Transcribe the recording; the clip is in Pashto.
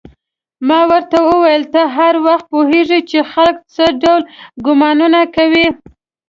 ما ورته وویل: ته هر وخت پوهېږې چې خلک څه ډول ګومانونه کوي؟